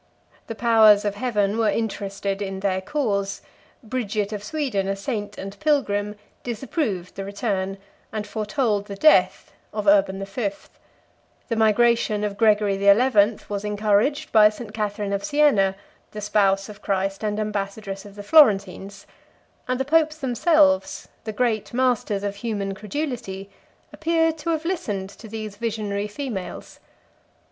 The powers of heaven were interested in their cause: Bridget of Sweden, a saint and pilgrim, disapproved the return, and foretold the death, of Urban the Fifth: the migration of Gregory the Eleventh was encouraged by St. Catharine of Sienna, the spouse of Christ and ambassadress of the Florentines; and the popes themselves, the great masters of human credulity, appear to have listened to these visionary females.